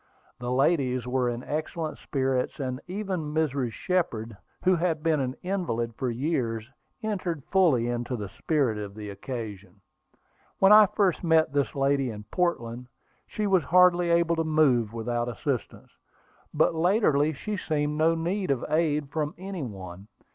The ladies were in excellent spirits, and even Mrs. Shepard, who had been an invalid for years, entered fully into the spirit of the occasion. When I first met this lady in Portland, she was hardly able to move without assistance; but latterly she seemed to need no aid from any one.